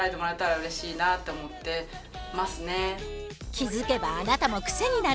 気付けばあなたもクセになる！